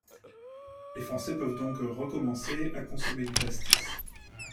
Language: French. Les Français peuvent donc recommencer à consommer du pastis.